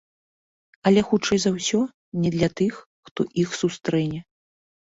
Але, хутчэй за ўсё, не для тых, хто іх сустрэне.